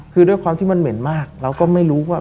คือด้วยความที่มันเหม็นมากเราก็ไม่รู้ว่า